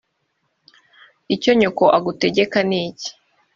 icyo nyoko agutegeka niki